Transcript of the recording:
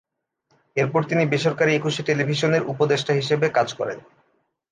এরপর তিনি বেসরকারি একুশে টেলিভিশনের উপদেষ্টা হিসেবে কাজ করেন।